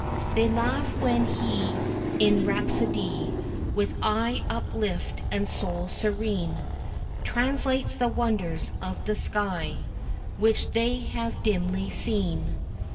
They laugh when he in rhapsody, With eye uplift and soul serene, Translates the wonders of the sky Which they have dimly seen.